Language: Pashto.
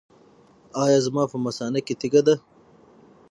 ایا زما په مثانه کې تیږه ده؟